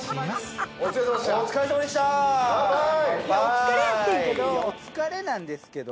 お疲れなんですけど。